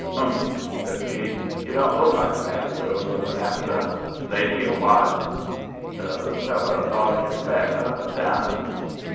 "'Umph!' says he. 'You don't look like a man the girls would run after. Lady your wife?' "The little feller bobbed his specs up and down.